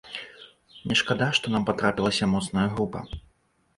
Мне шкада, што нам патрапілася моцная група.